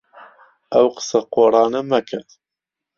ئەو قسە قۆڕانە مەکە.